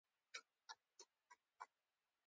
او محمودالحسن او د ده د ډلې څو کسان په حجاز کې پاتې شول.